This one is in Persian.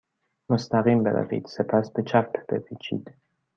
مستقیم بروید. سپس به چپ بپیچید.